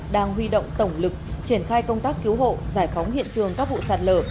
đang huy động tổng lực triển khai công tác cứu hộ giải phóng hiện trường các vụ sạt lở